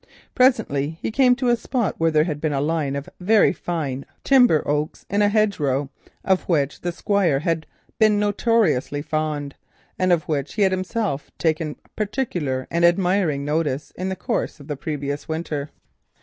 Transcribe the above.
Presently he came to a hedgerow where a row of very fine timber oaks had stood, of which the Squire had been notoriously fond, and of which he had himself taken particular and admiring notice in the course of the previous winter.